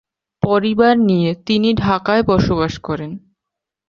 পরিবার নিয়ে তিনি ঢাকায় বসবাস করেন।